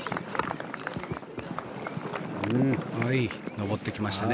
上ってきましたね。